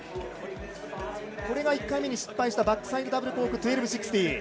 これが１回目に失敗したバックサイドダブルコーク１２６０。